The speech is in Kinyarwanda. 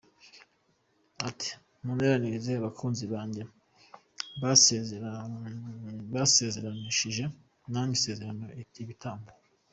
Iti “Munteranirizeho abakunzi banjye, Basezeranishije nanjye isezerano ibitambo.”